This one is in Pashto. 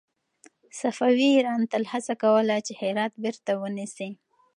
صفوي ایران تل هڅه کوله چې هرات بېرته ونيسي.